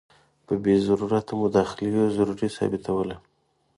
په بې ضرورته مداخلو یې زوروري ثابتوله.